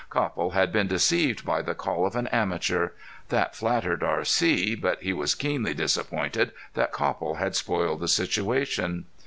Copple had been deceived by the call of an amateur. That flattered R.C., but he was keenly disappointed that Copple had spoiled the situation.